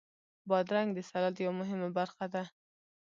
بادرنګ د سلاد یوه مهمه برخه ده.